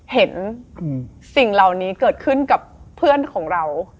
เห็นสิ่งเหล่านี้เกิดขึ้นกับเพื่อนของเรา